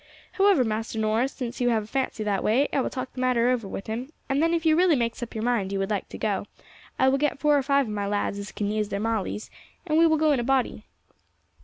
However, Master Norris, since you have a fancy that way I will talk the matter over with him, and then if you really makes up your mind you would like to go, I will get four or five of my lads as can use their mawleys, and we will go in a body.